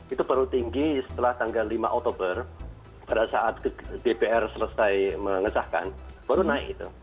itu baru tinggi setelah tanggal lima oktober pada saat dpr selesai mengesahkan baru naik